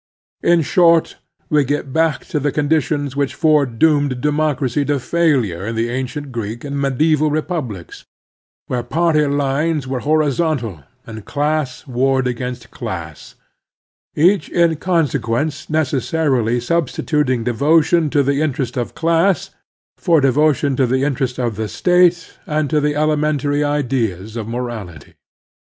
In short, we get back to the conditions which foredoomed democracy to failure in the ancient Greek and medieval republics, where party lines were horizontal and class warred against class, each in consequence necessarily substituting devo tion to the interest of a class for devotion to the interest of the state and to the elementary ideas of morality.